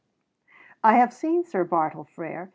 I have seen Sir Bartle Frere.